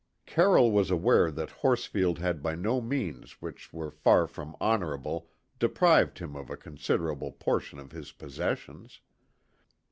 Carroll was aware that Horsfield had by means which were far from honourable deprived him of a considerable portion of his possessions.